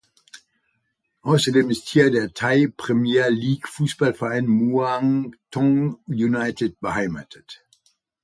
Außerdem ist hier der Thai-Premier-League-Fußballverein Muangthong United beheimatet.